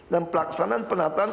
dan pelaksanaan penataan